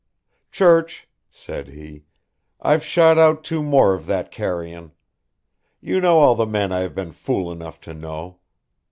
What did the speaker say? "Church," said he. "I've shot out two more of that carrion. You know all the men I have been fool enough to know.